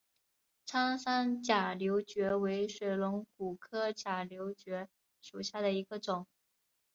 苍山假瘤蕨为水龙骨科假瘤蕨属下的一个种。